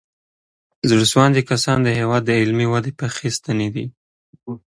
زړه سواندي کسان د هېواد د علمي ودې پخې ستنې دي.